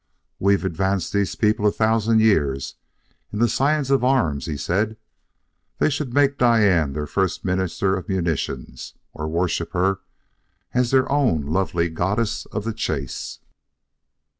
"We've advanced these people a thousand years in the science of arms," he said. "They should make Diane their first Minister of Munitions, or worship her as their own lovely goddess of the chase."